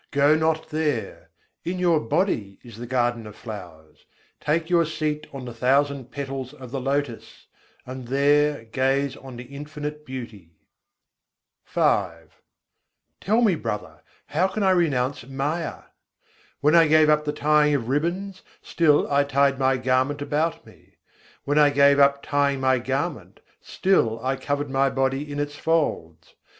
go not there; In your body is the garden of flowers. Take your seat on the thousand petals of the lotus, and there gaze on the Infinite Beauty. V I. 63. avadhû, mâyâ tajî na jây Tell me, Brother, how can I renounce Maya? When I gave up the tying of ribbons, still I tied my garment about me: When I gave up tying my garment, still I covered my body in its folds.